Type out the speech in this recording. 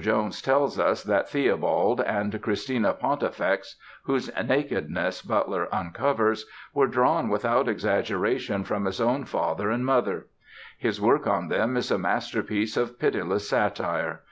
Jones tells us that Theobald and Christina Pontifex, whose nakedness Butler uncovers, were drawn without exaggeration from his own father and mother. His work on them is a masterpiece of pitiless satire.